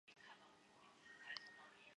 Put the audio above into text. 福建浦城人。